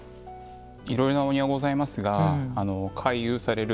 いろいろなお庭がございますが回遊される